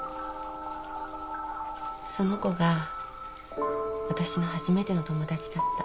その子がわたしの初めての友達だった。